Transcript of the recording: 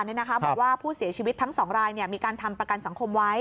บอกว่าผู้เสียชีวิตทั้ง๒รายมีการทำประกันสังคมไว้